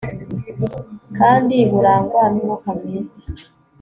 kandi burangwa numwuka mwiza